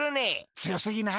つよすぎない？